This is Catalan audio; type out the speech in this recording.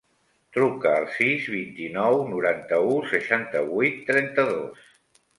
Truca al sis, vint-i-nou, noranta-u, seixanta-vuit, trenta-dos.